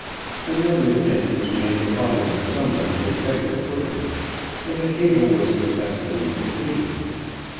Another attempt was made the following summer with better equipment, and the cable was successfully completed.